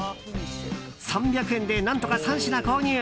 ３００円で何とか３品購入。